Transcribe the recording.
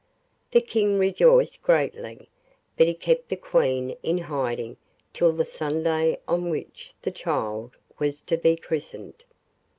The King rejoiced greatly, but he kept the Queen in hiding till the Sunday on which the child was to be christened.